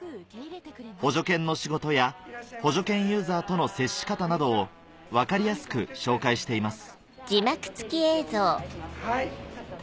補助犬の仕事や補助犬ユーザーとの接し方などを分かりやすく紹介しています